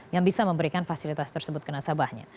yang bisa memberikan fasilitas tersebut ke nasabahnya